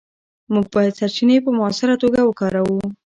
موږ باید سرچینې په مؤثره توګه وکاروو.